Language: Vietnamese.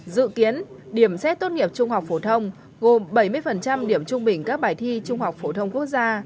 dự kiến điểm xét tốt nghiệp trung học phổ thông gồm bảy mươi điểm trung bình các bài thi trung học phổ thông quốc gia